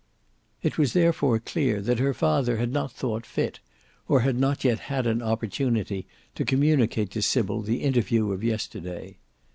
It was therefore clear that her father had not thought fit, or had not yet had an opportunity, to communicate to Sybil the interview of yesterday.